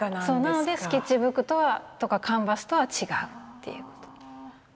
なのでスケッチブックとかカンバスとは違うっていうこと。